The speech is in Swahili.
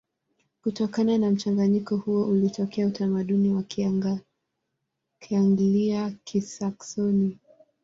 Kutokana na mchanganyiko huo ulitokea utamaduni wa Kianglia-Kisaksoni.